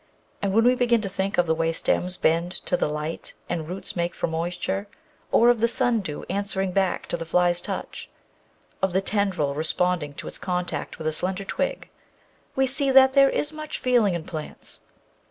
And when we begin to think of the way stems bend to the light and roots make for moisture, or of the sundew answering back to the fly's touch, of the tendril responding to its contact with a slender twig, we see that there is much feeling in plants.